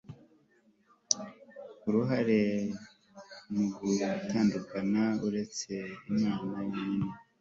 uruhare mu gutandukana uretse imana yonyine